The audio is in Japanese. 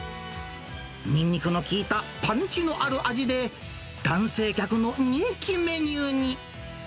ニンニクの効いたパンチのある味で、男性客の人気メニューに。